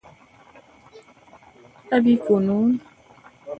ابي فنون